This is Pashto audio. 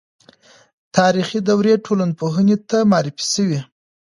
تاریخي دورې ټولنپوهنې ته معرفي سوې.